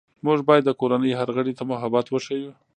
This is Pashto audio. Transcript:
موږ باید د کورنۍ هر غړي ته محبت وښیو